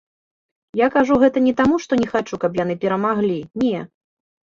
Я кажу гэта не таму, што не хачу, каб яны перамаглі, не.